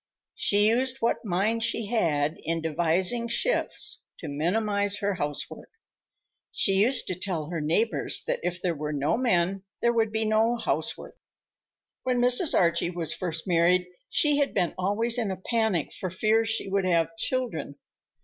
She used what mind she had in devising shifts to minimize her housework. She used to tell her neighbors that if there were no men, there would be no housework. When Mrs. Archie was first married, she had been always in a panic for fear she would have children.